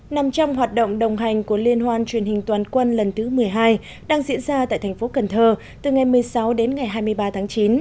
nằm trong hoạt động đồng hành của liên hoan truyền hình toàn quân lần thứ một mươi hai đang diễn ra tại thành phố cần thơ từ ngày một mươi sáu đến ngày hai mươi ba tháng chín